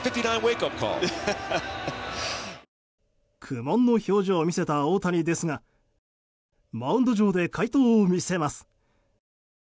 苦悶の表情を見せた大谷ですがマウンド上で快投を見せます。